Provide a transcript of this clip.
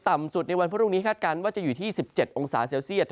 ต่ำสุดในวันพรุ่งนี้คาดการณ์ว่าจะอยู่ที่๑๗องศาเซลเซียต